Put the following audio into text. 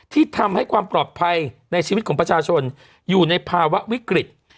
ที่ทำให้ความปลอดภัยในชีวิตของประชาชนอยู่ในภาวะวิกฤต